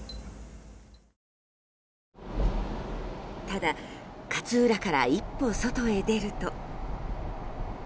ただ、勝浦から一歩外へ出ると。